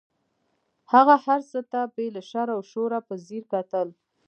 هغه هر څه ته بې له شر او شوره په ځیر کتل.